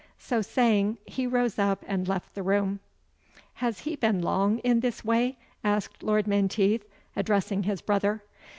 So saying, he rose up and left the room. "Has he been long in this way?" asked Lord Menteith, addressing his brother.